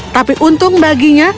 tapi untung baginya